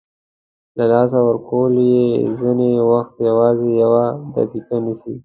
له لاسه ورکول یې ځینې وخت یوازې یوه دقیقه نیسي.